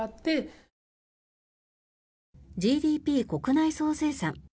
ＧＤＰ・国内総生産。